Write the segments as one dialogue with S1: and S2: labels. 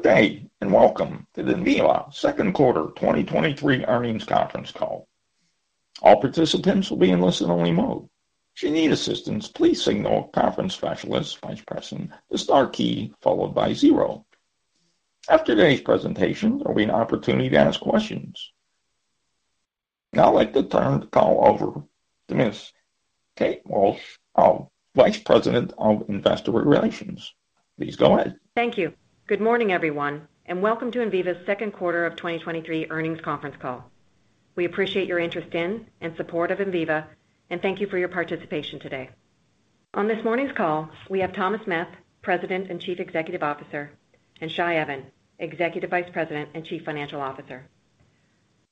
S1: Good day, and welcome to the Enviva second quarter 2023 earnings conference call. All participants will be in listen-only mode. If you need assistance, please signal a conference specialist by pressing the star key followed by zero. After today's presentation, there will be an opportunity to ask questions. Now, I'd like to turn the call over to Ms. Kate Walsh, our Vice President of Investor Relations. Please go ahead.
S2: Thank you. Good morning, everyone, and welcome to Enviva's second quarter of 2023 earnings conference call. We appreciate your interest in and support of Enviva, and thank you for your participation today. On this morning's call, we have Thomas Meth, President and Chief Executive Officer, and Shai Even, Executive Vice President and Chief Financial Officer.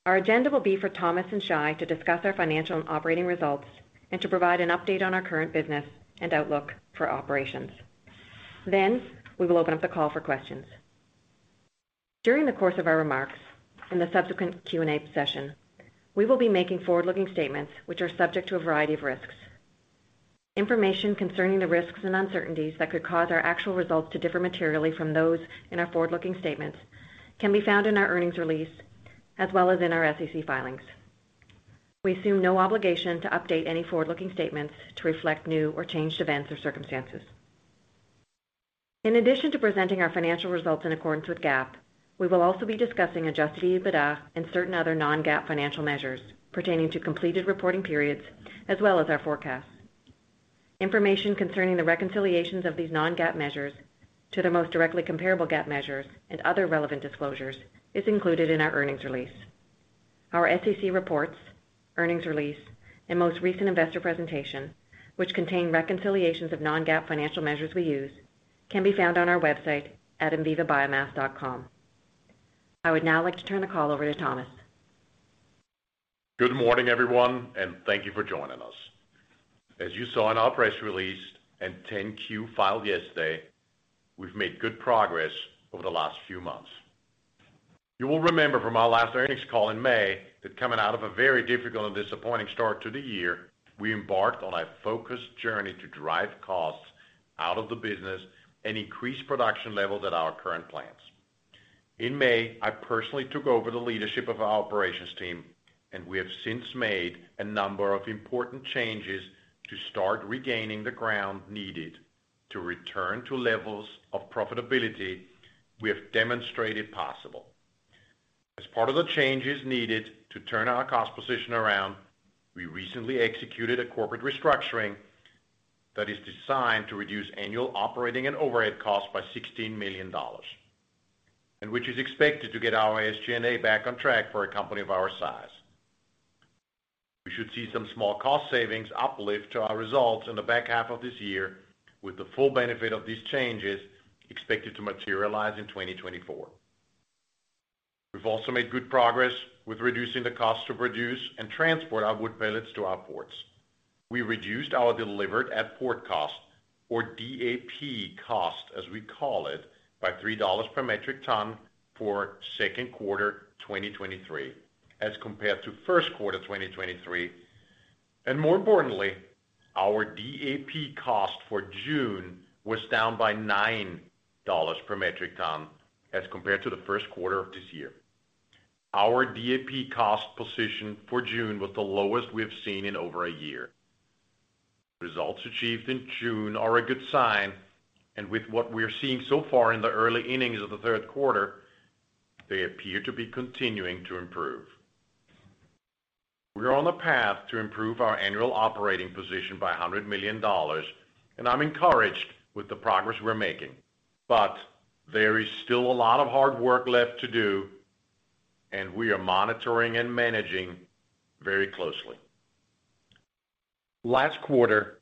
S2: Our agenda will be for Thomas and Shai to discuss our financial and operating results and to provide an update on our current business and outlook for operations. We will open up the call for questions. During the course of our remarks and the subsequent Q&A session, we will be making forward-looking statements which are subject to a variety of risks. Information concerning the risks and uncertainties that could cause our actual results to differ materially from those in our forward-looking statements can be found in our earnings release, as well as in our SEC filings. We assume no obligation to update any forward-looking statements to reflect new or changed events or circumstances. In addition to presenting our financial results in accordance with GAAP, we will also be discussing Adjusted EBITDA and certain other non-GAAP financial measures pertaining to completed reporting periods, as well as our forecasts. Information concerning the reconciliations of these non-GAAP measures to the most directly comparable GAAP measures and other relevant disclosures is included in our earnings release. Our SEC reports, earnings release, and most recent investor presentation, which contain reconciliations of non-GAAP financial measures we use, can be found on our website at envivabiomass.com. I would now like to turn the call over to Thomas.
S3: Good morning, everyone. Thank you for joining us. As you saw in our press release and 10-Q filed yesterday, we've made good progress over the last few months. You will remember from our last earnings call in May, that coming out of a very difficult and disappointing start to the year, we embarked on a focused journey to drive costs out of the business and increase production levels at our current plants. In May, I personally took over the leadership of our operations team. We have since made a number of important changes to start regaining the ground needed to return to levels of profitability we have demonstrated possible. As part of the changes needed to turn our cost position around, we recently executed a corporate restructuring that is designed to reduce annual operating and overhead costs by $16 million, and which is expected to get our SG&A back on track for a company of our size. We should see some small cost savings uplift to our results in the back half of this year, with the full benefit of these changes expected to materialize in 2024. We've also made good progress with reducing the cost to produce and transport our wood pellets to our ports. We reduced our Delivered At Port cost, or DAP cost, as we call it, by $3 per metric ton for second quarter 2023, as compared to first quarter 2023. More importantly, our DAP cost for June was down by $9 per metric ton as compared to the first quarter of this year. Our DAP cost position for June was the lowest we've seen in over a year. Results achieved in June are a good sign, and with what we are seeing so far in the early innings of the third quarter, they appear to be continuing to improve. We are on the path to improve our annual operating position by $100 million, and I'm encouraged with the progress we're making. There is still a lot of hard work left to do, and we are monitoring and managing very closely. Last quarter,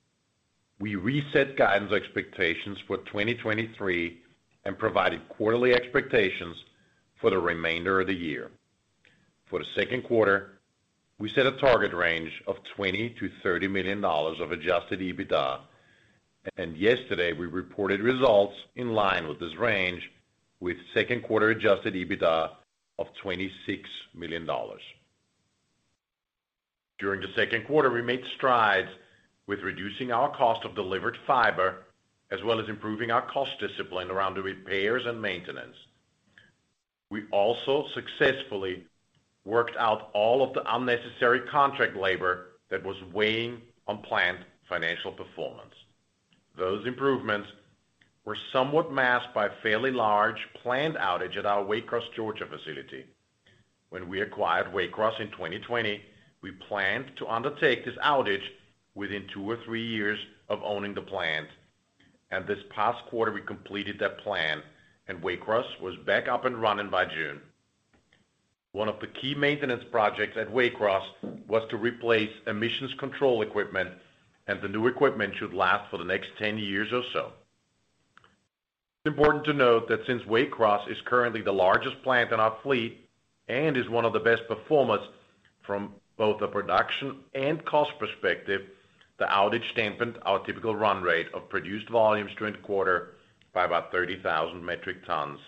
S3: we reset guidance expectations for 2023 and provided quarterly expectations for the remainder of the year. For the second quarter, we set a target range of $20 million-$30 million of Adjusted EBITDA. Yesterday, we reported results in line with this range, with second quarter Adjusted EBITDA of $26 million. During the second quarter, we made strides with reducing our cost of delivered fiber, as well as improving our cost discipline around the repairs and maintenance. We also successfully worked out all of the unnecessary contract labor that was weighing on plant financial performance. Those improvements were somewhat masked by a fairly large planned outage at our Waycross, Georgia, facility. When we acquired Waycross in 2020, we planned to undertake this outage within two or three years of owning the plant. This past quarter, we completed that plan, Waycross was back up and running by June. One of the key maintenance projects at Waycross was to replace emissions control equipment, and the new equipment should last for the next 10 years or so. It's important to note that since Waycross is currently the largest plant in our fleet and is one of the best performers from both a production and cost perspective, the outage dampened our typical run rate of produced volumes during the quarter by about 30,000 metric tons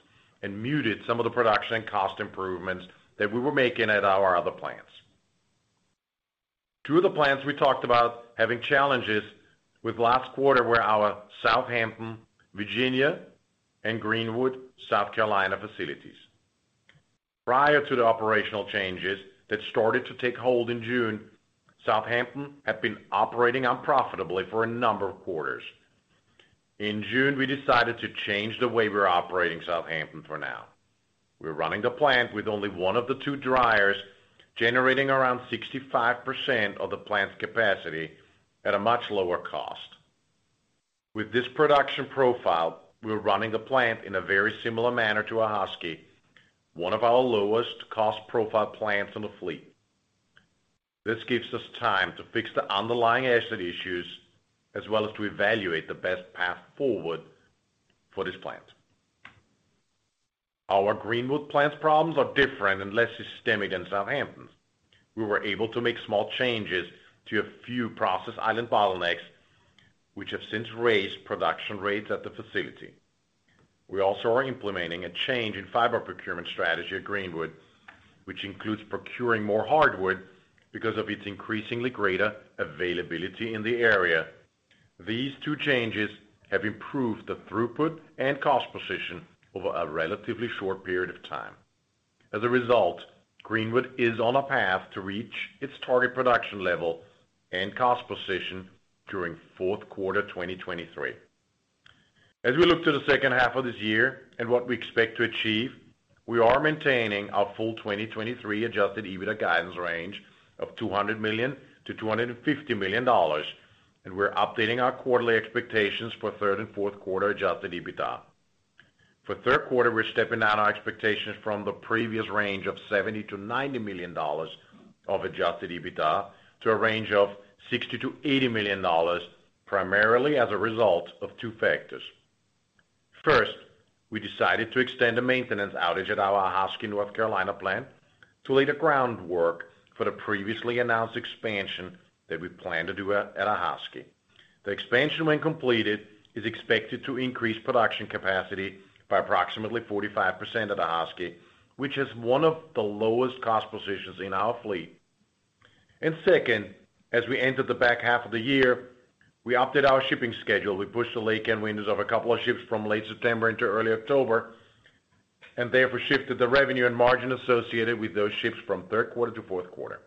S3: and muted some of the production and cost improvements that we were making at our other plants.... Two of the plants we talked about having challenges with last quarter were our Southampton, Virginia, and Greenwood, South Carolina facilities. Prior to the operational changes that started to take hold in June, Southampton had been operating unprofitably for a number of quarters. In June, we decided to change the way we're operating Southampton for now. We're running the plant with only one of the two dryers, generating around 65% of the plant's capacity at a much lower cost. With this production profile, we're running the plant in a very similar manner to Ahoskie, one of our lowest cost profile plants on the fleet. This gives us time to fix the underlying asset issues, as well as to evaluate the best path forward for this plant. Our Greenwood plant's problems are different and less systemic than Southampton's. We were able to make small changes to a few process island bottlenecks, which have since raised production rates at the facility. We also are implementing a change in fiber procurement strategy at Greenwood, which includes procuring more hardwood because of its increasingly greater availability in the area. These two changes have improved the throughput and cost position over a relatively short period of time. As a result, Greenwood is on a path to reach its target production level and cost position during fourth quarter 2023. As we look to the second half of this year and what we expect to achieve, we are maintaining our full 2023 Adjusted EBITDA guidance range of $200 million-$250 million. We're updating our quarterly expectations for third and fourth quarter Adjusted EBITDA. For third quarter, we're stepping down our expectations from the previous range of $70 million-$90 million of Adjusted EBITDA to a range of $60 million-$80 million, primarily as a result of two factors. First, we decided to extend the maintenance outage at our Ahoskie, North Carolina plant, to lay the groundwork for the previously announced expansion that we plan to do at Ahoskie. The expansion, when completed, is expected to increase production capacity by approximately 45% at Ahoskie, which is one of the lowest cost positions in our fleet. Second, as we enter the back half of the year, we updated our shipping schedule. We pushed the laycan windows of a couple of ships from late September into early October, and therefore shifted the revenue and margin associated with those ships from third quarter to fourth quarter.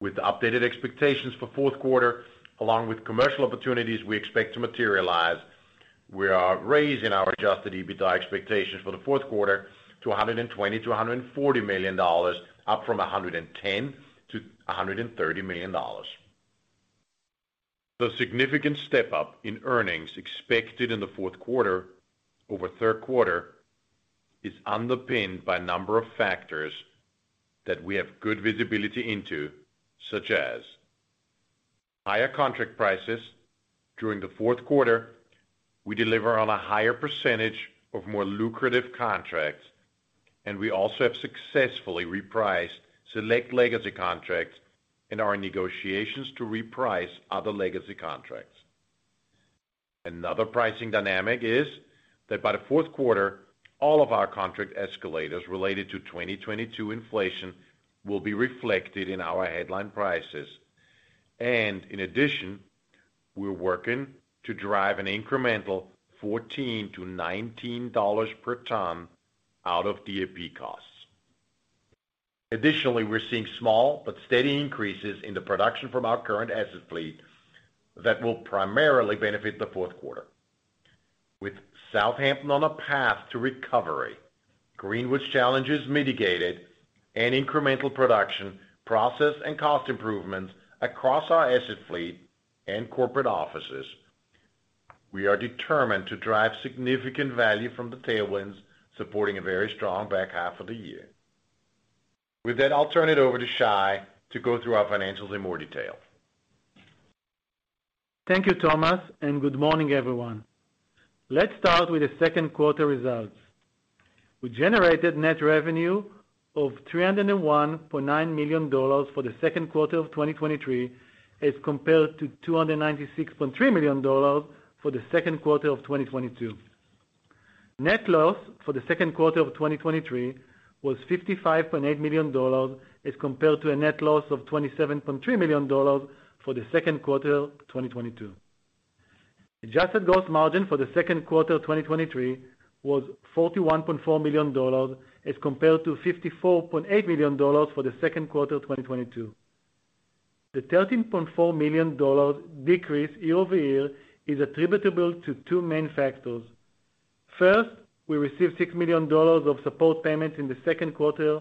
S3: With the updated expectations for fourth quarter, along with commercial opportunities we expect to materialize, we are raising our Adjusted EBITDA expectations for the fourth quarter to $120 million-$140 million, up from $110 million-$130 million. The significant step up in earnings expected in the fourth quarter over third quarter is underpinned by a number of factors that we have good visibility into, such as: higher contract prices. During the fourth quarter, we deliver on a higher percentage of more lucrative contracts, and we also have successfully repriced select legacy contracts in our negotiations to reprice other legacy contracts. Another pricing dynamic is that by the fourth quarter, all of our contract escalators related to 2022 inflation will be reflected in our headline prices. In addition, we're working to drive an incremental $14-$19 per ton out of DAP costs. Additionally, we're seeing small but steady increases in the production from our current asset fleet that will primarily benefit the fourth quarter. With Southampton on a path to recovery, Greenwood's challenges mitigated, and incremental production, process and cost improvements across our asset fleet and corporate offices, we are determined to drive significant value from the tailwinds, supporting a very strong back half of the year. With that, I'll turn it over to Shai to go through our financials in more detail.
S4: Thank you, Thomas, good morning, everyone. Let's start with the second quarter results. We generated net revenue of $301.9 million for the second quarter of 2023, as compared to $296.3 million for the second quarter of 2022. Net loss for the second quarter of 2023 was $55.8 million, as compared to a net loss of $27.3 million for the second quarter of 2022. Adjusted gross margin for the second quarter of 2023 was $41.4 million, as compared to $54.8 million for the second quarter of 2022. The $13.4 million decrease year-over-year is attributable to two main factors. First, we received $6 million of support payments in the second quarter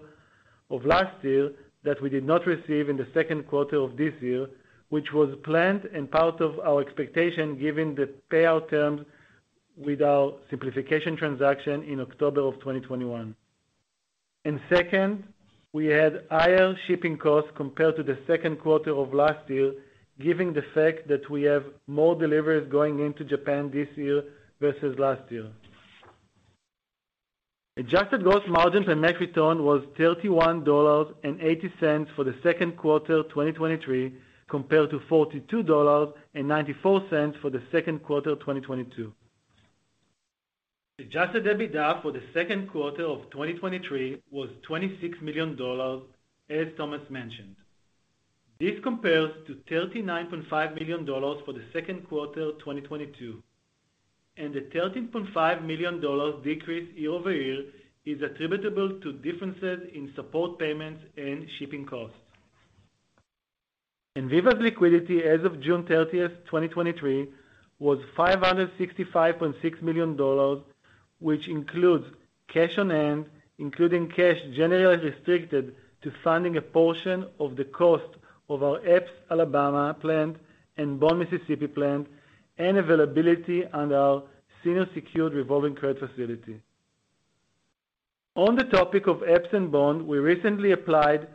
S4: of last year that we did not receive in the second quarter of this year, which was planned and part of our expectation, given the payout terms with our Simplification Transaction in October 2021. Second, we had higher shipping costs compared to the second quarter of last year, given the fact that we have more deliveries going into Japan this year versus last year. Adjusted gross margin per metric ton was $31.80 for the second quarter of 2023, compared to $42.94 for the second quarter of 2022. The Adjusted EBITDA for the second quarter of 2023 was $26 million, as Thomas mentioned. This compares to $39.5 million for the second quarter of 2022, and the $13.5 million decrease year-over-year is attributable to differences in support payments and shipping costs. Enviva's liquidity as of June 30, 2023, was $565.6 million, which includes cash on hand, including cash generally restricted to funding a portion of the cost of our Epes, Alabama plant and Bond Mississippi plant, and availability under our senior secured revolving credit facility. On the topic of Epes and Bond, we recently applied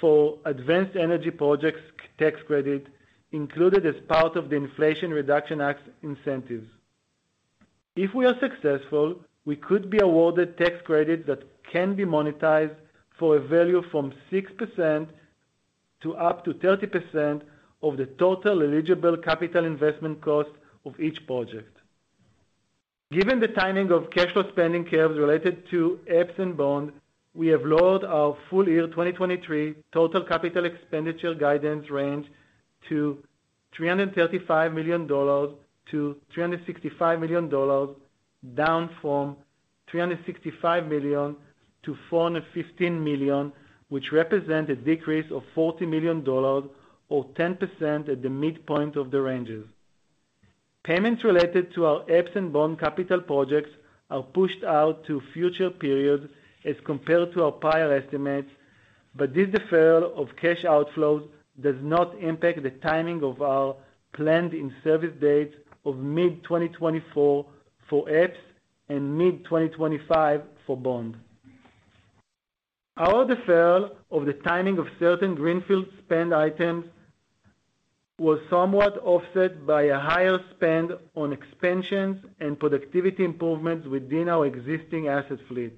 S4: for Advanced Energy Projects Tax Credit, included as part of the Inflation Reduction Act incentives. If we are successful, we could be awarded tax credits that can be monetized for a value from 6%-30% of the total eligible capital investment cost of each project. Given the timing of cash flow spending curves related to Epes and Bond, we have lowered our full year 2023 total CapEx guidance range to $335 million-$365 million, down from $365 million-$415 million, which represent a decrease of $40 million or 10% at the midpoint of the ranges. Payments related to our Epes and Bond capital projects are pushed out to future periods as compared to our prior estimates, but this deferral of cash outflows does not impact the timing of our planned in-service dates of mid-2024 for Epes and mid-2025 for Bond. Our deferral of the timing of certain greenfield spend items was somewhat offset by a higher spend on expansions and productivity improvements within our existing asset fleet.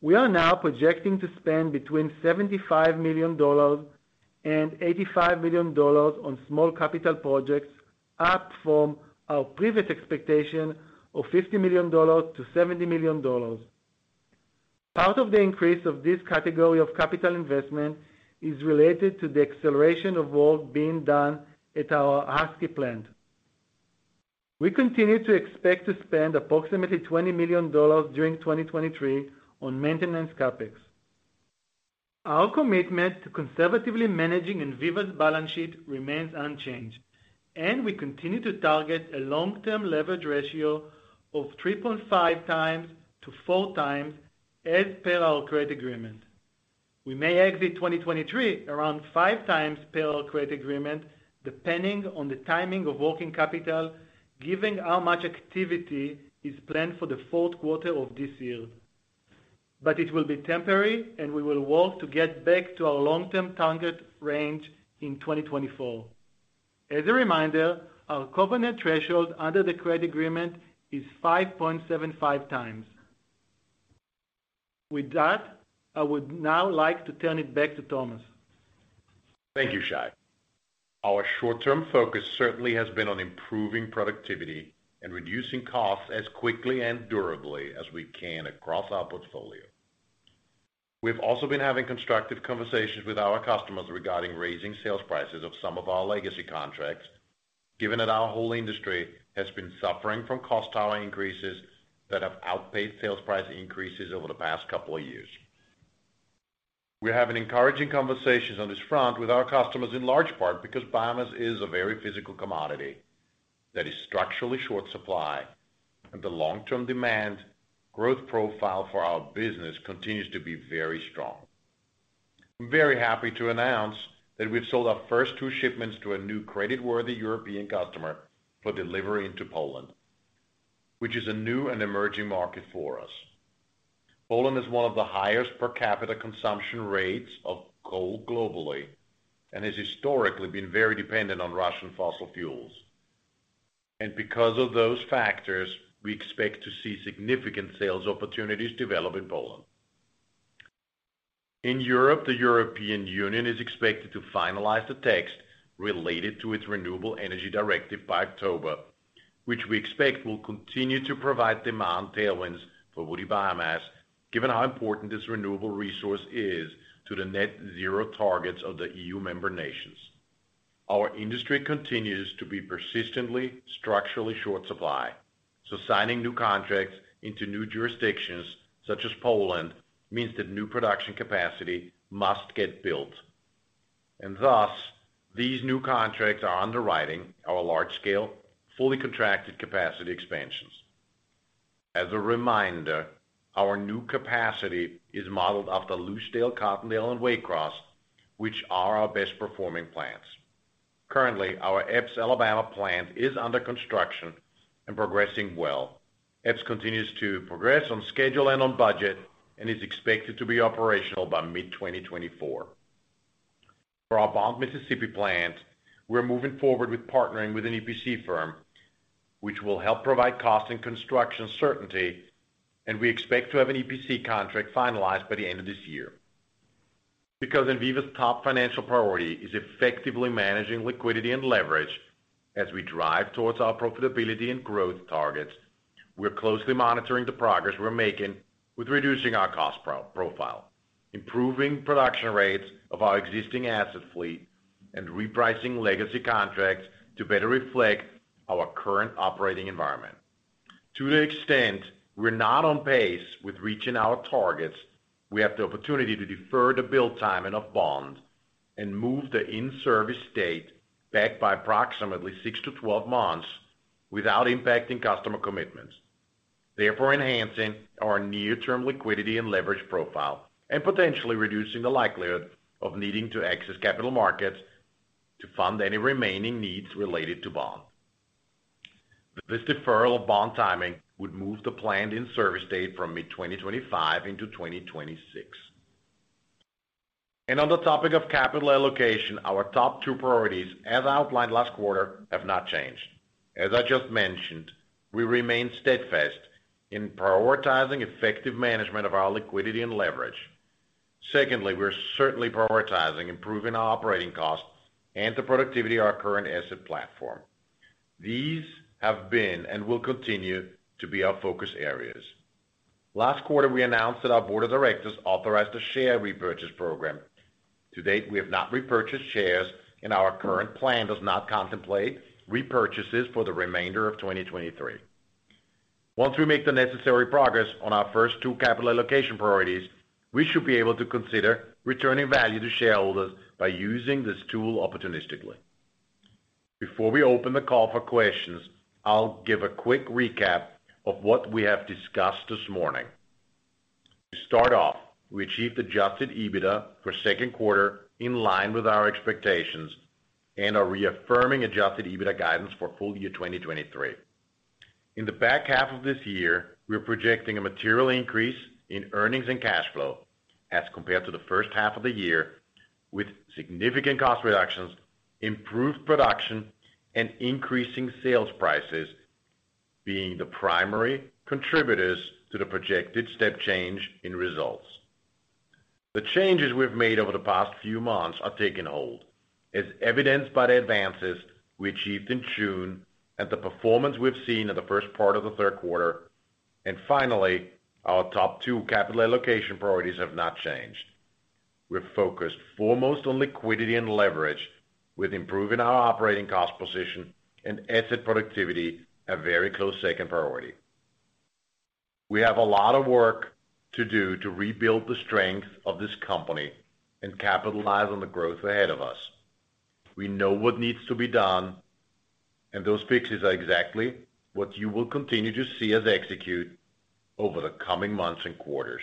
S4: We are now projecting to spend between $75 million and $85 million on small capital projects, up from our previous expectation of $50 million-$70 million. Part of the increase of this category of capital investment is related to the acceleration of work being done at our Ahoskie plant. We continue to expect to spend approximately $20 million during 2023 on maintenance CapEx. Our commitment to conservatively managing Enviva's balance sheet remains unchanged, and we continue to target a long-term leverage ratio of 3.5x-4x as per our credit agreement. We may exit 2023 around 5x per our credit agreement, depending on the timing of working capital, given how much activity is planned for the fourth quarter of this year. It will be temporary, and we will work to get back to our long-term target range in 2024. As a reminder, our covenant threshold under the credit agreement is 5.75x. With that, I would now like to turn it back to Thomas.
S3: Thank you, Shai. Our short-term focus certainly has been on improving productivity and reducing costs as quickly and durably as we can across our portfolio. We've also been having constructive conversations with our customers regarding raising sales prices of some of our legacy contracts, given that our whole industry has been suffering from cost power increases that have outpaced sales price increases over the past couple of years. We're having encouraging conversations on this front with our customers, in large part because biomass is a very physical commodity that is structurally short supply, and the long-term demand growth profile for our business continues to be very strong. I'm very happy to announce that we've sold our first two shipments to a new creditworthy European customer for delivery into Poland, which is a new and emerging market for us. Poland is one of the highest per capita consumption rates of coal globally, has historically been very dependent on Russian fossil fuels. Because of those factors, we expect to see significant sales opportunities develop in Poland. In Europe, the European Union is expected to finalize the text related to its Renewable Energy Directive by October, which we expect will continue to provide demand tailwinds for woody biomass, given how important this renewable resource is to the net zero targets of the EU member nations. Our industry continues to be persistently, structurally short supply, so signing new contracts into new jurisdictions, such as Poland, means that new production capacity must get built, and thus, these new contracts are underwriting our large-scale, fully contracted capacity expansions. As a reminder, our new capacity is modeled after Lucedale, Cottondale, and Waycross, which are our best performing plants. Currently, our Epes, Alabama plant is under construction and progressing well. Epes continues to progress on schedule and on budget, and is expected to be operational by mid-2024. For our Bond Mississippi plant, we're moving forward with partnering with an EPC firm, which will help provide cost and construction certainty, and we expect to have an EPC contract finalized by the end of this year. Enviva's top financial priority is effectively managing liquidity and leverage. As we drive towards our profitability and growth targets, we're closely monitoring the progress we're making with reducing our cost profile, improving production rates of our existing asset fleet, and repricing legacy contracts to better reflect our current operating environment. To the extent we're not on pace with reaching our targets, we have the opportunity to defer the build time and of Bond and move the in-service date back by approximately six-12 months without impacting customer commitments. Therefore, enhancing our near-term liquidity and leverage profile, and potentially reducing the likelihood of needing to access capital markets to fund any remaining needs related to Bond. This deferral of Bond timing would move the planned in-service date from mid-2025 into 2026. On the topic of capital allocation, our top two priorities, as outlined last quarter, have not changed. As I just mentioned, we remain steadfast in prioritizing effective management of our liquidity and leverage. Secondly, we're certainly prioritizing improving our operating costs and the productivity of our current asset platform. These have been and will continue to be our focus areas. Last quarter, we announced that our board of directors authorized a share repurchase program. To date, we have not repurchased shares, and our current plan does not contemplate repurchases for the remainder of 2023. Once we make the necessary progress on our first two capital allocation priorities, we should be able to consider returning value to shareholders by using this tool opportunistically. Before we open the call for questions, I'll give a quick recap of what we have discussed this morning. To start off, we achieved Adjusted EBITDA for second quarter in line with our expectations and are reaffirming Adjusted EBITDA guidance for full year 2023. In the back half of this year, we are projecting a material increase in earnings and cash flow as compared to the first half of the year, with significant cost reductions, improved production, and increasing sales prices being the primary contributors to the projected step change in results. The changes we've made over the past few months are taking hold, as evidenced by the advances we achieved in June and the performance we've seen in the first part of the third quarter. Finally, our top two capital allocation priorities have not changed. We're focused foremost on liquidity and leverage, with improving our operating cost position and asset productivity, a very close second priority. We have a lot of work to do to rebuild the strength of this company and capitalize on the growth ahead of us. We know what needs to be done, and those fixes are exactly what you will continue to see us execute over the coming months and quarters.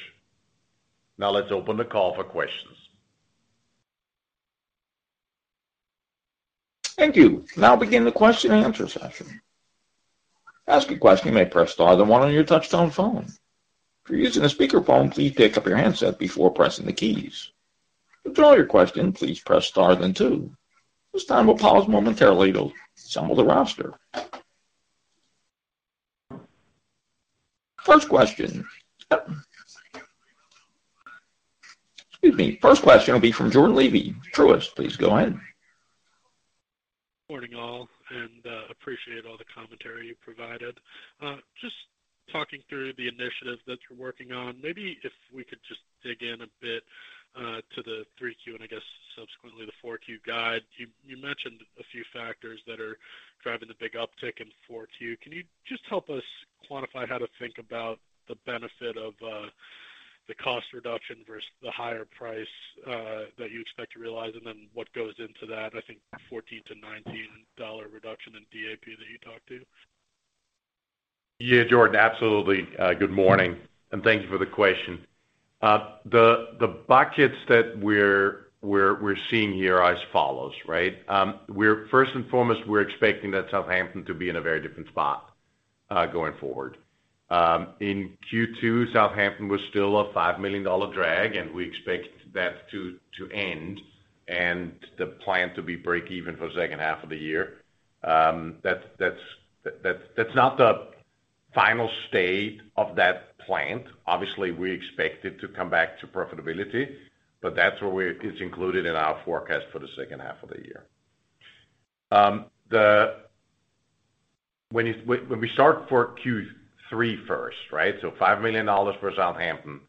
S3: Let's open the call for questions.
S1: Thank you. Now begin the question and answer session. To ask a question, you may press star then one on your touchtone phone. If you're using a speakerphone, please pick up your handset before pressing the keys. To withdraw your question, please press star then two. This time, we'll pause momentarily to assemble the roster. First question. Excuse me. First question will be from Jordan Levy, Truist. Please go ahead.
S5: Morning, all. Appreciate all the commentary you provided. Just talking through the initiatives that you're working on. Maybe if we could just dig in a bit to the 3Q and I guess subsequently the 4Q guide. You mentioned a few factors that are driving the big uptick in 4Q. Can you just help us quantify how to think about the benefit of the cost reduction versus the higher price that you expect to realize, and then what goes into that? I think $14-$19 reduction in DAP that you talked to.
S3: Yeah, Jordan, absolutely. Good morning, and thank you for the question. The buckets that we're seeing here are as follows, right? First and foremost, we're expecting that Southampton to be in a very different spot going forward. In Q2, Southampton was still a $5 million drag, and we expect that to end, and the plant to be breakeven for the second half of the year. That's not the final state of that plant. Obviously, we expect it to come back to profitability, but that's where it's included in our forecast for the second half of the year. When we start for Q3 first, right? $5 million for Southampton.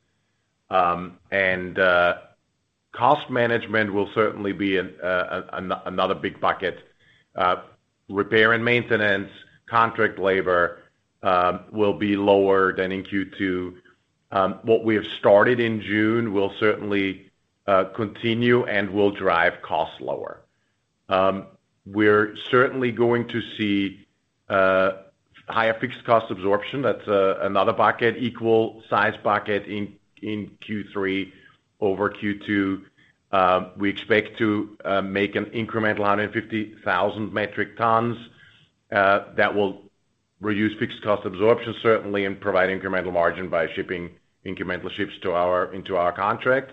S3: Cost management will certainly be another big bucket. Repair and maintenance, contract labor, will be lower than in Q2. What we have started in June will certainly continue and will drive costs lower. We're certainly going to see higher fixed cost absorption. That's another bucket, equal size bucket in Q3 over Q2. We expect to make an incremental 150,000 metric tons that will reduce fixed cost absorption, certainly, and provide incremental margin by shipping incremental ships into our contract.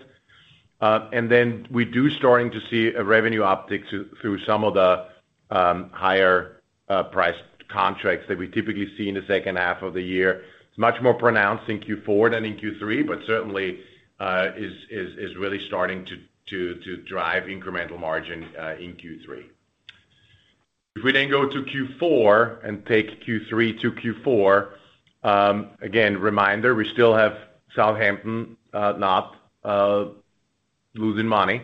S3: And then we do starting to see a revenue uptick through some of the higher price contracts that we typically see in the second half of the year. It's much more pronounced in Q4 than in Q3, but certainly is really starting to drive incremental margin in Q3. We go to Q4 and take Q3 to Q4, again, reminder, we still have Southampton not losing money.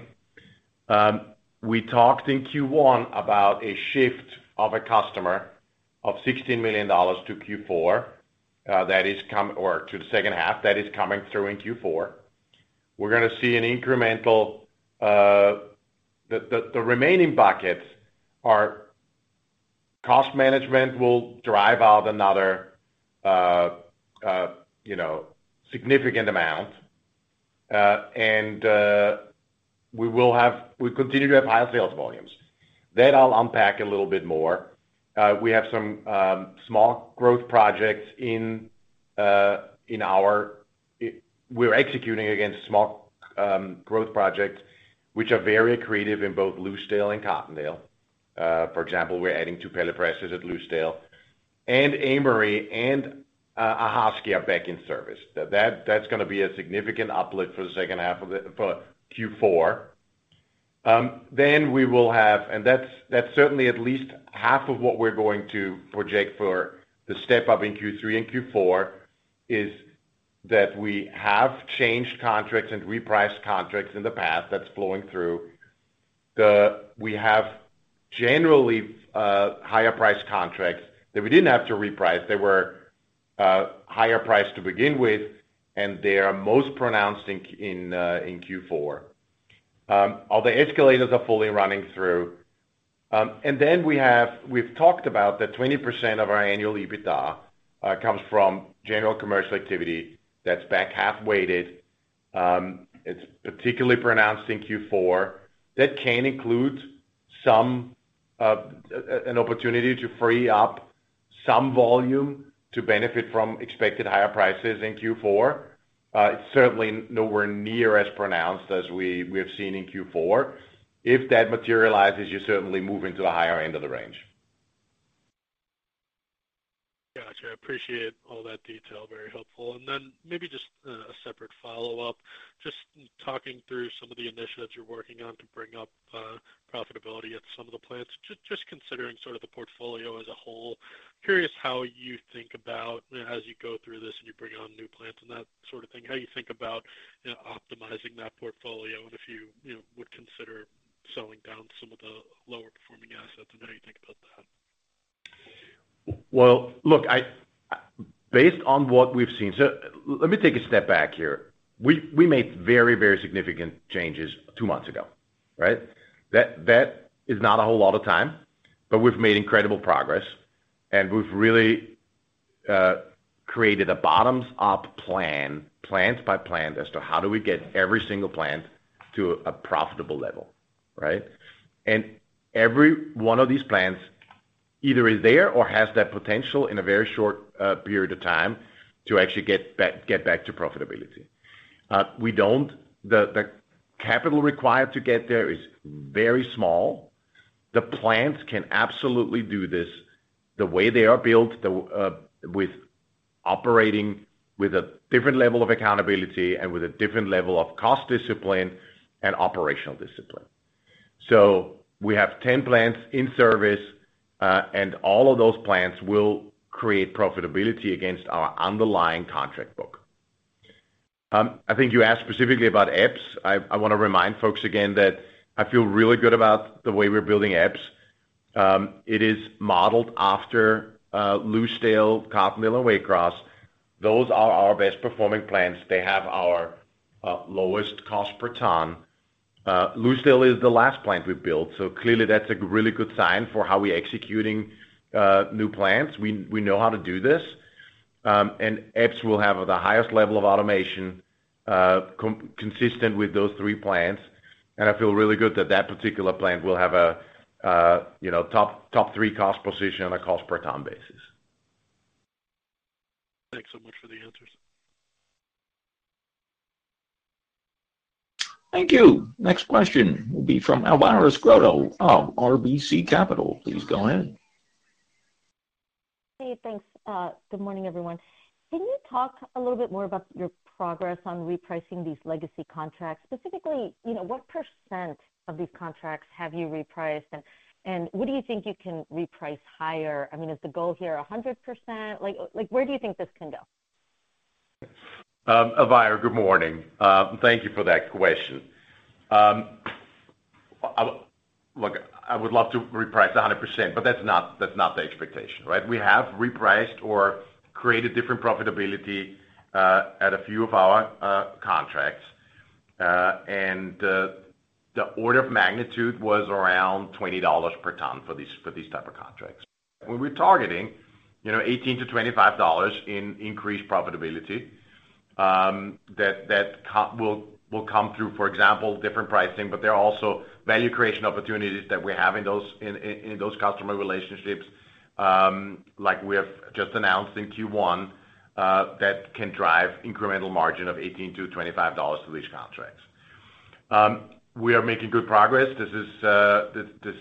S3: We talked in Q1 about a shift of a customer of $16 million to Q4, or to the second half, that is coming through in Q4. We're gonna see an incremental. The remaining buckets are, cost management will drive out another, you know, significant amount. We continue to have higher sales volumes. That I'll unpack a little bit more. We have some small growth projects we're executing against small growth projects, which are very creative in both Lucedale and Cottondale. For example, we're adding two pellet presses at Lucedale, Amory and Ahoskie are back in service. That, that's gonna be a significant uplift for the second half for Q4. Then that's, that's certainly at least half of what we're going to project for the step-up in Q3 and Q4, is that we have changed contracts and repriced contracts in the past. That's flowing through. We have generally higher priced contracts that we didn't have to reprice. They were higher priced to begin with, and they are most pronounced in Q4. All the escalators are fully running through. Then we've talked about that 20% of our annual EBITDA comes from general commercial activity. That's back half-weighted. It's particularly pronounced in Q4. That can include some an opportunity to free up some volume to benefit from expected higher prices in Q4. It's certainly nowhere near as pronounced as we, we have seen in Q4. If that materializes, you certainly move into the higher end of the range.
S5: Got you. I appreciate all that detail. Very helpful. Then maybe just a separate follow-up. Just talking through some of the initiatives you're working on to bring up profitability at some of the plants. Considering sort of the portfolio as a whole, curious how you think about as you go through this and you bring on new plants and that sort of thing, how you think about optimizing that portfolio and if you, you know, would consider selling down some of the lower-performing assets, and how you think about that?
S3: Look, I, based on what we've seen... let me take a step back here. We, we made very, very significant changes two months ago, right? That, that is not a whole lot of time, but we've made incredible progress, and we've really, created a bottoms-up plan, plant by plant, as to how do we get every single plant to a profitable level, right? Every one of these plants either is there or has that potential in a very short, period of time to actually get back, get back to profitability. We don't... The, the capital required to get there is very small. The plants can absolutely do this the way they are built, the, with operating with a different level of accountability and with a different level of cost discipline and operational discipline. We have 10 plants in service, and all of those plants will create profitability against our underlying contract book. I think you asked specifically about Epes. I, I wanna remind folks again that I feel really good about the way we're building Epes. It is modeled after Lucedale, Cottondale, and Waycross. Those are our best-performing plants. They have our lowest cost per ton. Lucedale is the last plant we built, clearly, that's a really good sign for how we're executing new plants. We, we know how to do this. And Epes will have the highest level of automation, consistent with those three plants, and I feel really good that that particular plant will have a, you know, top three cost position on a cost per ton basis.
S5: Thanks so much for the answers.
S1: Thank you. Next question will be from Elvira Scotto of RBC Capital. Please go ahead.
S6: Hey, thanks. Good morning, everyone. Can you talk a little bit more about your progress on repricing these legacy contracts? Specifically, you know, what percent of these contracts have you repriced, and, and what do you think you can reprice higher? I mean, is the goal here 100%? Like, like, where do you think this can go?
S3: Elvira, good morning. Thank you for that question. I, look, I would love to reprice 100%, but that's not, that's not the expectation, right? We have repriced or created different profitability at a few of our contracts, and the order of magnitude was around $20 per ton for these, for these type of contracts. We're retargeting, you know, $18-$25 in increased profitability that will come through, for example, different pricing, but there are also value creation opportunities that we have in those, in those customer relationships, like we have just announced in Q1, that can drive incremental margin of $18-$25 for these contracts. We are making good progress. This is, this,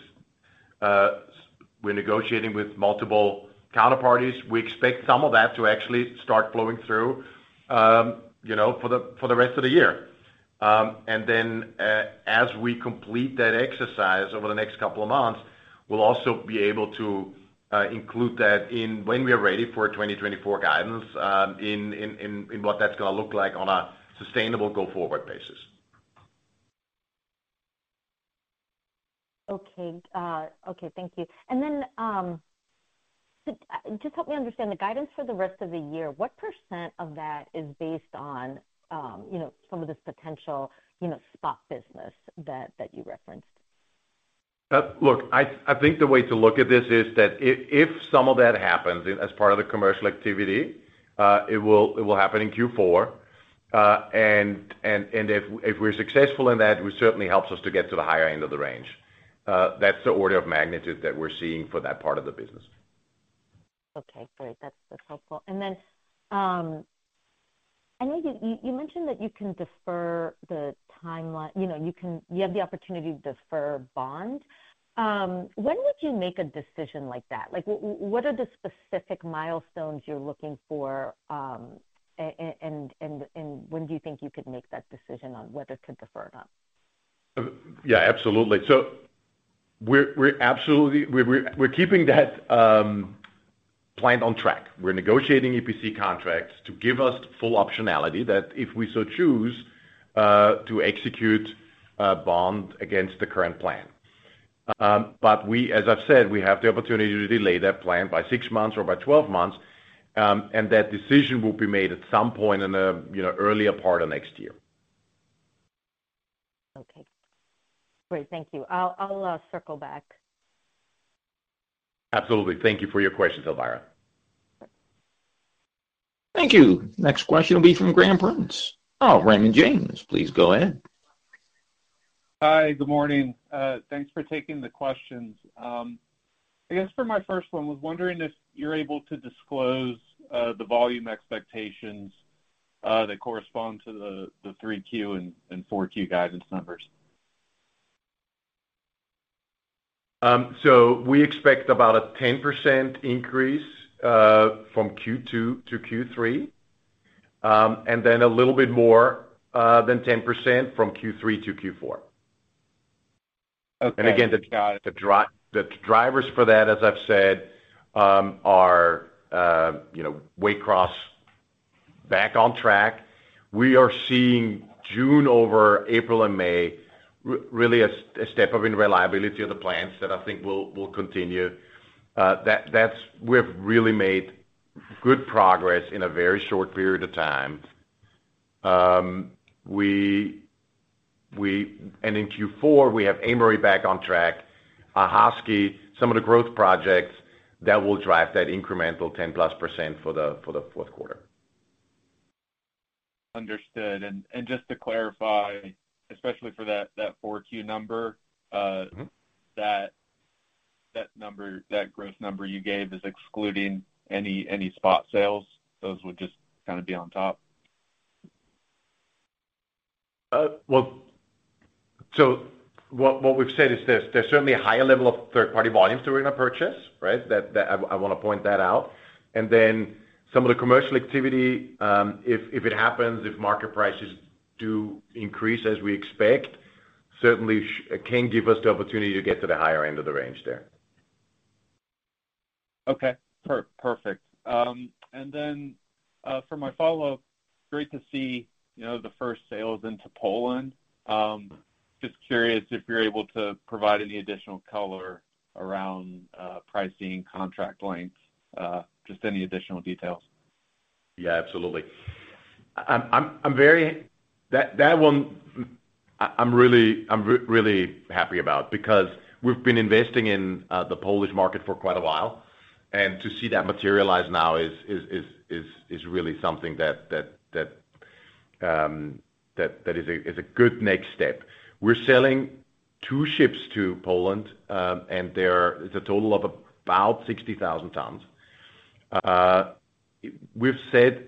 S3: we're negotiating with multiple counterparties. We expect some of that to actually start flowing through, you know, for the rest of the year. Then, as we complete that exercise over the next couple of months, we'll also be able to include that in when we are ready for 2024 guidance, in what that's gonna look like on a sustainable go-forward basis.
S6: Okay. Okay, thank you. Just help me understand the guidance for the rest of the year. What percent of that is based on, you know, some of this potential, you know, spot business that, that you referenced?
S3: Look, I, I think the way to look at this is that i-if some of that happens as part of the commercial activity, it will, it will happen in Q4. And, and, if, if we're successful in that, it certainly helps us to get to the higher end of the range. That's the order of magnitude that we're seeing for that part of the business.
S6: Okay, great. That's, that's helpful. I know you, you, you mentioned that you can defer the timeline, you know, you have the opportunity to defer Bond. When would you make a decision like that? Like, what, what are the specific milestones you're looking for, and when do you think you could make that decision on whether to defer or not?
S3: Yeah, absolutely. So we're absolutely keeping that plan on track. We're negotiating EPC contracts to give us full optionality that, if we so choose, to execute Bond against the current plan. As I've said, we have the opportunity to delay that plan by six months or by 12 months, and that decision will be made at some point in the, you know, earlier part of next year.
S6: Okay. Great. Thank you. I'll, I'll circle back.
S3: Absolutely. Thank you for your question, Elvira.
S1: Thank you. Next question will be from Graham Price. Oh, Raymond James, please go ahead.
S7: Hi, good morning. thanks for taking the questions. I guess for my first one, I was wondering if you're able to disclose the volume expectations that correspond to the 3Q and 4Q guidance numbers.
S3: We expect about a 10% increase from Q2 to Q3, and then a little bit more than 10% from Q3 to Q4.
S7: Okay, got it.
S3: Again, the drivers for that, as I've said, are, you know, Waycross back on track. We are seeing June over April and May, really a step up in reliability of the plants that I think will continue. That, we've really made good progress in a very short period of time. We and in Q4, we have Amory back on track, Ahoskie, some of the growth projects that will drive that incremental 10%+ for the fourth quarter.
S7: Understood. Just to clarify, especially for that, that 4Q number...
S3: Mm-hmm...
S7: that, that number, that growth number you gave is excluding any, any spot sales. Those would just kinda be on top?
S3: well, so what, what we've said is this: there's certainly a higher level of third-party volumes that we're gonna purchase, right? That, that I, I wanna point that out. Then some of the commercial activity, if, if it happens, if market prices do increase as we expect, certainly can give us the opportunity to get to the higher end of the range there.
S7: Okay, perfect. For my follow-up, great to see, you know, the first sales into Poland. Just curious if you're able to provide any additional color around pricing, contract lengths, just any additional details?
S3: Yeah, absolutely. I'm very... That, that one, I'm really, really happy about, because we've been investing in the Polish market for quite a while, and to see that materialize now is, is, is, is, is really something that, that, that, that is a, is a good next step. We're selling two ships to Poland. There is a total of about 60,000 tons. We've said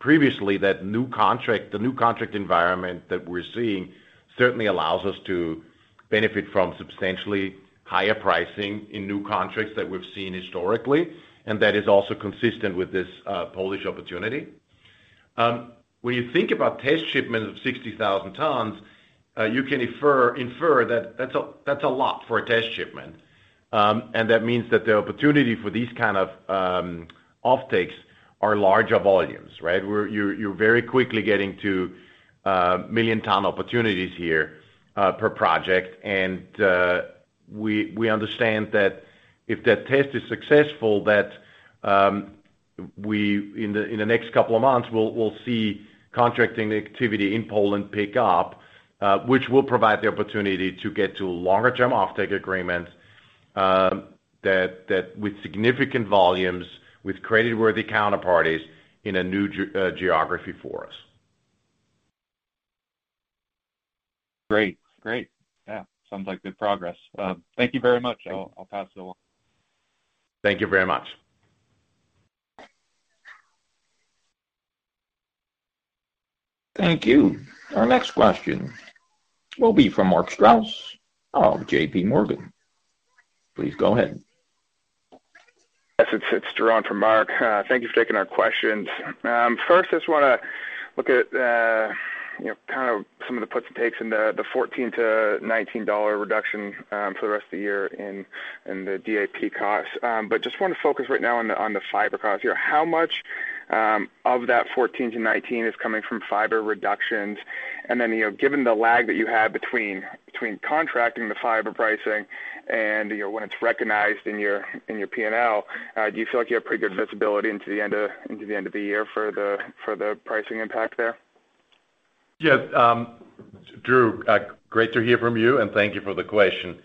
S3: previously, that new contract, the new contract environment that we're seeing certainly allows us to benefit from substantially higher pricing in new contracts that we've seen historically, and that is also consistent with this Polish opportunity. When you think about test shipments of 60,000 tons, you can infer, infer that that's a, that's a lot for a test shipment. That means that the opportunity for these kind of offtakes are larger volumes, right? We're-- you're, you're very quickly getting to million-ton opportunities here per project. We, we understand that if that test is successful, that we-- in the, in the next couple of months, we'll, we'll see contracting activity in Poland pick up, which will provide the opportunity to get to longer-term offtake agreements, that, that with significant volumes, with creditworthy counterparties in a new ge- geography for us.
S7: Great. Great. Yeah, sounds like good progress. Thank you very much.
S3: Thank you.
S7: I'll pass it along.
S3: Thank you very much.
S1: Thank you. Our next question will be from Mark Strouse of JPMorgan. Please go ahead.
S8: Yes, it's, it's Drew in for Mark. Thank you for taking our questions. First, I just wanna look at, you know, kind of some of the puts and takes in the $14-$19 reduction for the rest of the year in the DAP costs. But just want to focus right now on the fiber costs here. How much of that $14-$19 is coming from fiber reductions? And then, you know, given the lag that you have between, between contracting the fiber pricing and, you know, when it's recognized in your, in your P&L, do you feel like you have pretty good visibility into the end of, into the end of the year for the, for the pricing impact there?
S3: Yeah, Drew, great to hear from you, and thank you for the question.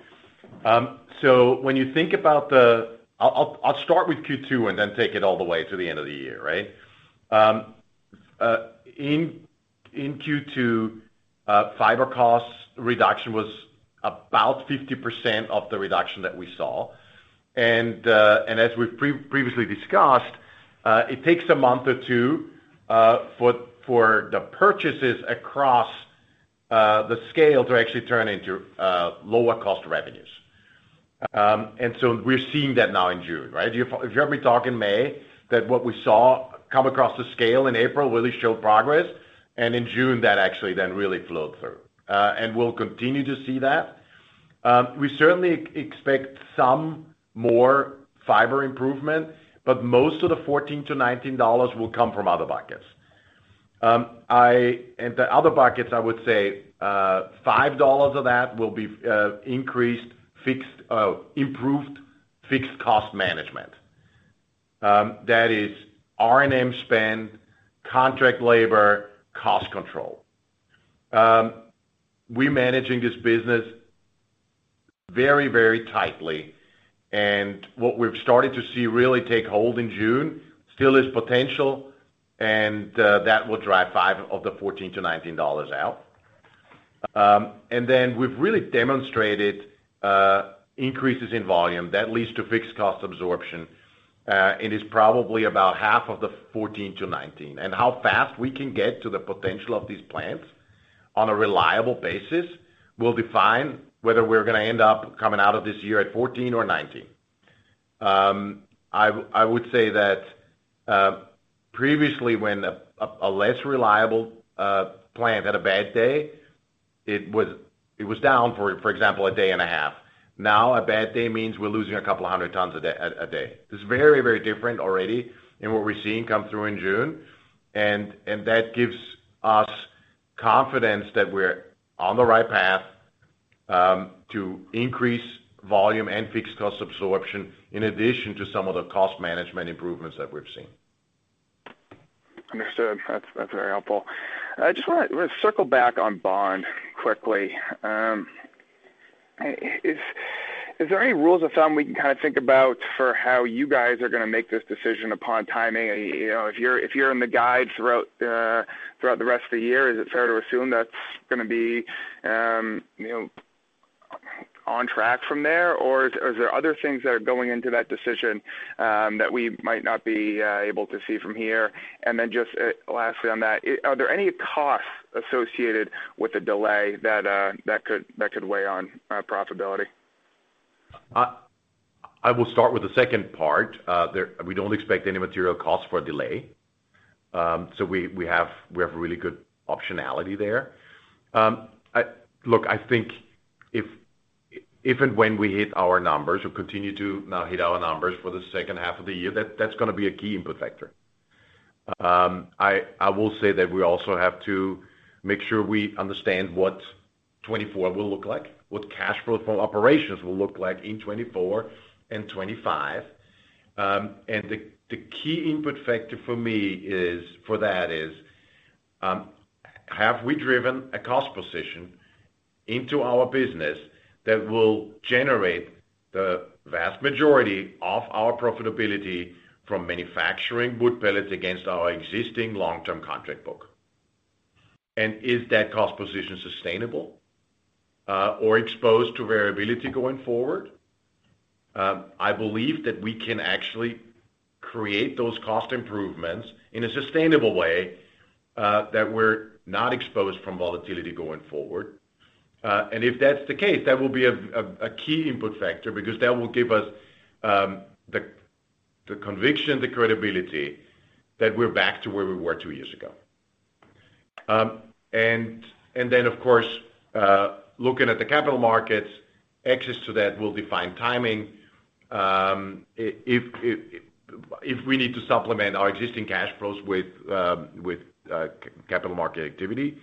S3: When you think about the... I'll, I'll, I'll start with Q2 and then take it all the way to the end of the year, right? In Q2, fiber costs reduction was about 50% of the reduction that we saw. As we've previously discussed, it takes a month or two for the purchases across the scale to actually turn into lower cost revenues. So we're seeing that now in June, right? You if you heard me talk in May, that what we saw come across the scale in April really showed progress, and in June, that actually then really flowed through. We'll continue to see that. We certainly expect some more fiber improvement, but most of the $14-$19 will come from other buckets. The other buckets, I would say, $5 of that will be increased fixed, improved fixed cost management. That is R&M spend, contract labor, cost control. We're managing this business very, very tightly, and what we've started to see really take hold in June still is potential, and that will drive $5 of the $14-$19 out. Then we've really demonstrated increases in volume that leads to fixed cost absorption, and is probably about half of the $14-$19. How fast we can get to the potential of these plants on a reliable basis will define whether we're gonna end up coming out of this year at $14 or $19. I would say that, previously, when a less reliable plant had a bad day, it was, it was down for, for example, a day and a half. Now, a bad day means we're losing 200 tons a day. It's very, very different already in what we're seeing come through in June, that gives us confidence that we're on the right path to increase volume and fixed cost absorption, in addition to some of the cost management improvements that we've seen.
S8: Understood. That's, that's very helpful. I just wanna, wanna circle back on Bond quickly. Is, is there any rules of thumb we can kind of think about for how you guys are gonna make this decision upon timing? You know, if you're, if you're in the guide throughout, throughout the rest of the year, is it fair to assume that's gonna be, you know, on track from there, or is, are there other things that are going into that decision, that we might not be able to see from here? Then just, lastly on that, are there any costs associated with the delay that, that could, that could weigh on profitability?
S3: I will start with the second part. We don't expect any material cost for a delay. We, we have, we have a really good optionality there. Look, I think if, if and when we hit our numbers or continue to now hit our numbers for the second half of the year, that, that's gonna be a key input factor. I, I will say that we also have to make sure we understand what 2024 will look like, what cash flow from operations will look like in 2024 and 2025. The, the key input factor for me is, for that is, have we driven a cost position into our business that will generate the vast majority of our profitability from manufacturing wood pellets against our existing long-term contract book? Is that cost position sustainable or exposed to variability going forward? I believe that we can actually create those cost improvements in a sustainable way that we're not exposed from volatility going forward. If that's the case, that will be a key input factor because that will give us the conviction, the credibility that we're back to where we were two years ago. Then, of course, looking at the capital markets, access to that will define timing. If we need to supplement our existing cash flows with capital market activity,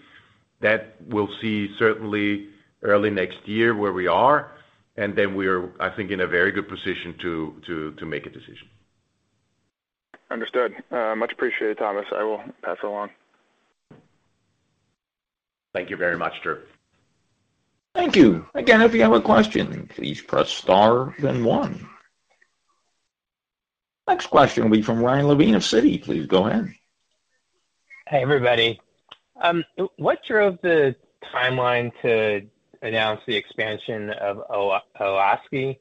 S3: that we'll see certainly early next year where we are, and then we are, I think, in a very good position to make a decision.
S8: Understood. Much appreciated, Thomas. I will pass it along.
S3: Thank you very much, Drew.
S1: Thank you. Again, if you have a question, please press star then one. Next question will be from Ryan Levine of Citigroup. Please go ahead.
S9: Hey, everybody. What drove the timeline to announce the expansion of Ahoskie?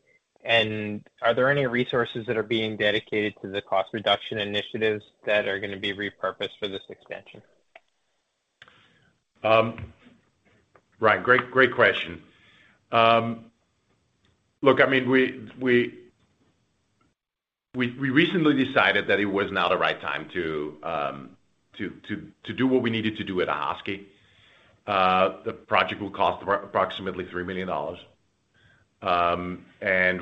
S9: Are there any resources that are being dedicated to the cost reduction initiatives that are gonna be repurposed for this expansion?
S3: Ryan, great, great question. Look, I mean, we, we, we, we recently decided that it was now the right time to do what we needed to do at Ahoskie. The project will cost approximately $3 million.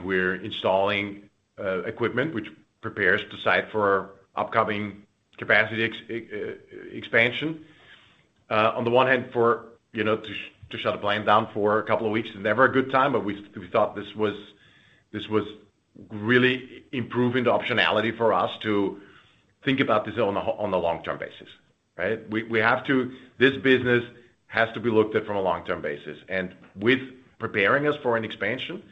S3: We're installing equipment, which prepares the site for upcoming capacity expansion. On the one hand, for, you know, to shut the plant down for a couple of weeks is never a good time, but we, we thought this was, this was really improving the optionality for us to think about this on a long-term basis, right? We have to this business has to be looked at from a long-term basis. With preparing us for an expansion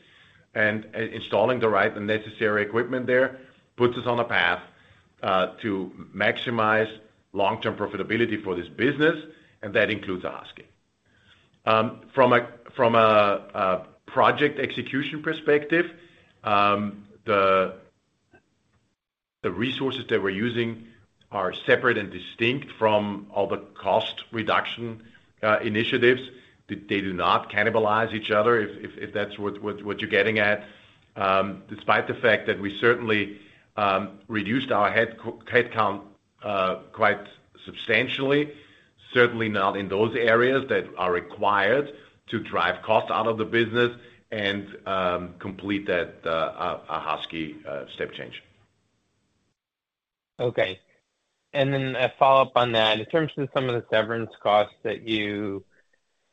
S3: and installing the right and necessary equipment there, puts us on a path to maximize long-term profitability for this business. That includes Ahoskie. From a project execution perspective, the resources that we're using are separate and distinct from all the cost reduction initiatives. They do not cannibalize each other, if that's what you're getting at. Despite the fact that we certainly reduced our headcount quite substantially, certainly not in those areas that are required to drive cost out of the business and complete that Ahoskie step change.
S9: Okay. Then a follow-up on that. In terms of some of the severance costs that you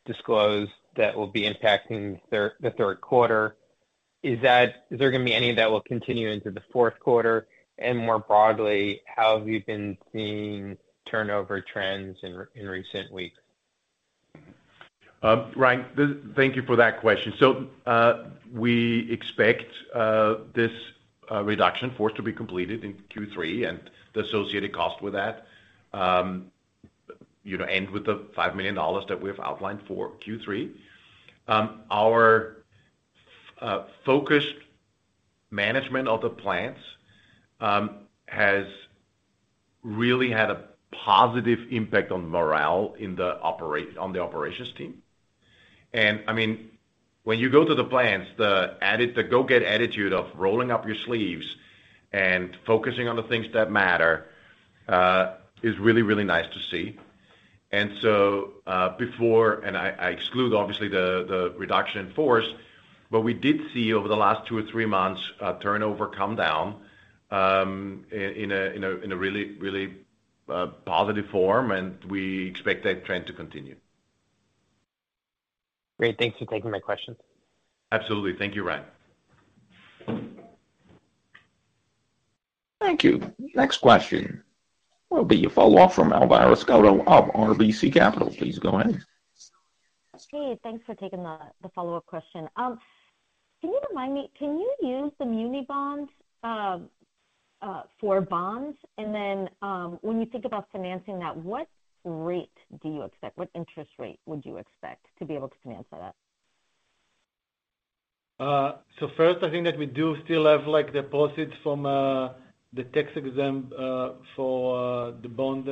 S9: disclosed that will be impacting the third quarter, is there gonna be any that will continue into the fourth quarter? More broadly, how have you been seeing turnover trends in recent weeks?
S3: Ryan, thank you for that question. We expect this reduction for it to be completed in Q3 and the associated cost with that, you know, end with the $5 million that we've outlined for Q3. Our focused management of the plants has really had a positive impact on morale on the operations team. I mean, when you go to the plants, the go-get attitude of rolling up your sleeves and focusing on the things that matter is really, really nice to see. Before, and I, I exclude obviously, the reduction in force, but we did see over the last two or three months, turnover come down in a really, really positive form, and we expect that trend to continue.
S9: Great. Thanks for taking my questions.
S3: Absolutely. Thank you, Ryan.
S1: Thank you. Next question will be a follow-up from Elvira Scotto of RBC Capital. Please go ahead.
S6: Hey, thanks for taking the, the follow-up question. Can you remind me, can you use the muni Bonds, for Bonds? When you think about financing that, what rate do you expect? What interest rate would you expect to be able to finance that?
S4: First, I think that we do still have, like, deposits from the tax-exempt for the Bond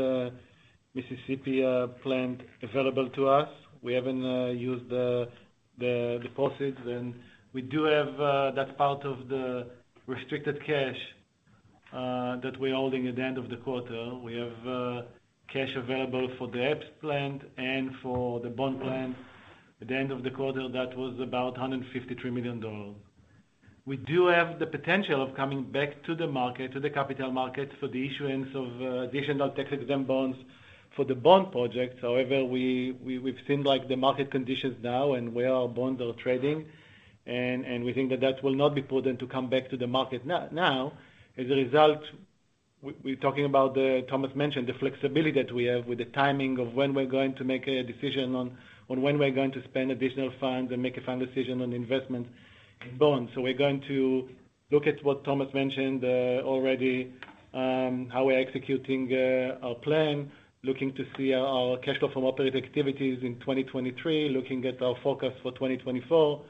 S4: Mississippi plant available to us. We haven't used the deposits. We do have, that's part of the restricted cash that we're holding at the end of the quarter. We have cash available for the Epes plant and for the Bond plant. At the end of the quarter, that was about $153 million. We do have the potential of coming back to the market, to the capital market, for the issuance of additional tax-exempt Bonds for the Bond projects. However, we've seen, like, the market conditions now and where our Bonds are trading, and we think that that will not be prudent to come back to the market now. We're talking about the Thomas mentioned, the flexibility that we have with the timing of when we're going to make a decision on when we're going to spend additional funds and make a final decision on investment in Bonds. We're going to look at what Thomas mentioned, already, how we are executing our plan, looking to see our cash flow from operating activities in 2023, looking at our forecast for 2024,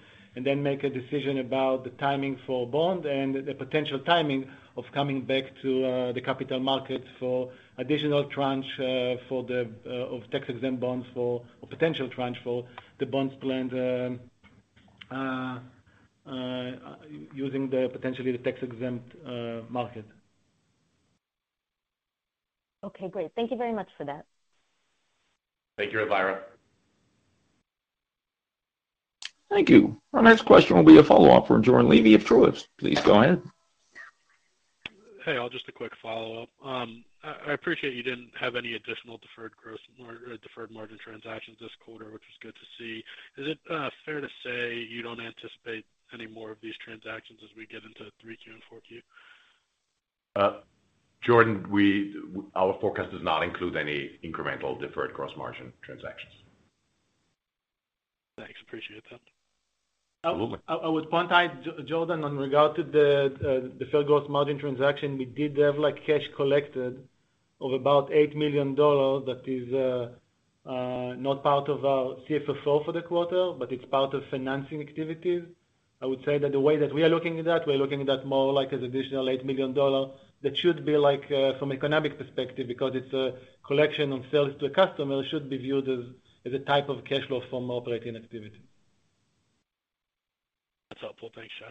S4: make a decision about the timing for Bond and the potential timing of coming back to the capital market for additional tranche of tax-exempt Bonds or potential tranche for the Bond plant, using potentially the tax-exempt market.
S6: Okay, great. Thank you very much for that.
S3: Thank you, Elvira.
S1: Thank you. Our next question will be a follow-up from Jordan Levy of Truist. Please go ahead.
S5: Hey, all. Just a quick follow-up. I, I appreciate you didn't have any additional deferred margin transactions this quarter, which was good to see. Is it fair to say you don't anticipate any more of these transactions as we get into 3Q and 4Q?
S3: Jordan, we, our forecast does not include any incremental deferred gross margin transactions.
S5: Thanks, appreciate that.
S3: Absolutely.
S4: I, I, I would point out, Jordan, on regard to the deferred gross margin transaction, we did have, like, cash collected of about $8 million. That is not part of our CFFO for the quarter, but it's part of financing activities. I would say that the way that we are looking at that, we're looking at that more like as additional $8 million that should be like, from economic perspective, because it's a collection on sales to a customer, should be viewed as a type of cash flow from operating activity.
S5: That's helpful. Thanks, Shai.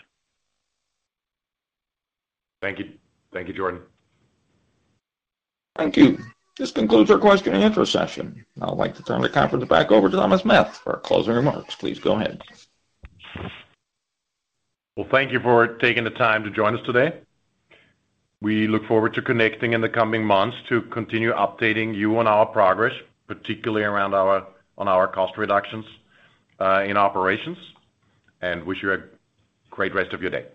S3: Thank you. Thank you, Jordan.
S1: Thank you. This concludes our question and answer session. I'd like to turn the conference back over to Thomas Meth for our closing remarks. Please go ahead.
S3: Thank you for taking the time to join us today. We look forward to connecting in the coming months to continue updating you on our progress, particularly around our, on our cost reductions in operations, and wish you a great rest of your day.